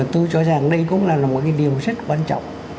tôi cho rằng đây cũng là một cái điều rất quan trọng